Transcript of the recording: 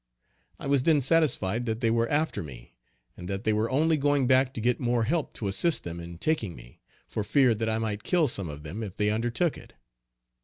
I was then satisfied that they were after me and that they were only going back to get more help to assist them in taking me, for fear that I might kill some of them if they undertook it.